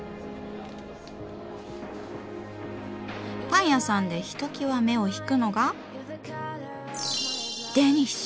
パン屋さんでひときわ目を引くのがデニッシュ！